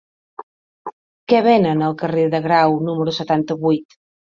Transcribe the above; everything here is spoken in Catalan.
Què venen al carrer de Grau número setanta-vuit?